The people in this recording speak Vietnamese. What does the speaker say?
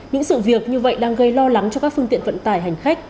những sự việc như vậy đang gây lo lắng cho các phương tiện vận tải hành khách